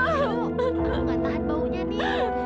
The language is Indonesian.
enggak tahan baunya nih